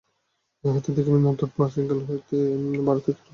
তাহাতে দেখিবেন, অতি প্রাচীনকাল হইতে ভারতে কিরূপে এই-সকল তত্ত্ব শিক্ষা দেওয়া হইত।